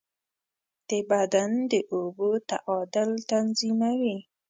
د بدن د اوبو تعادل تنظیموي.